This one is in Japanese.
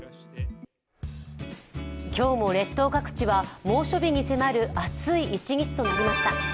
今日も列島各地は猛暑日に迫る暑い一日となりました。